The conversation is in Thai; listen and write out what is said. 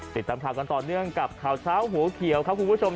ติดตามข่าวกันต่อเนื่องกับข่าวเช้าหัวเขียวครับคุณผู้ชม